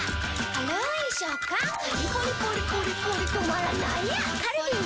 軽ーい食感カリッポリポリポリポリ止まらないやつカルビー！